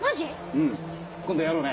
うん今度やろうね。